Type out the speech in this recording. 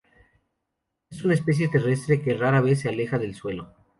Es una especie terrestre que rara vez se aleja del suelo.